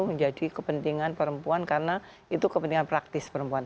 menjadi kepentingan perempuan karena itu kepentingan praktis perempuan